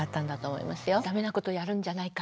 ダメなことやるんじゃないか？